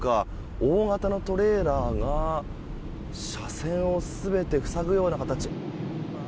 大型のトレーラーが車線を全て塞ぐような形。